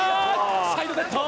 サイドネット！